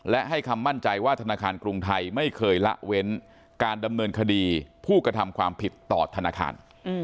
และให้คำมั่นใจว่าธนาคารกรุงไทยไม่เคยละเว้นการดำเนินคดีผู้กระทำความผิดต่อธนาคาร